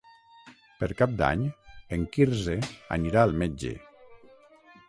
Per Cap d'Any en Quirze anirà al metge.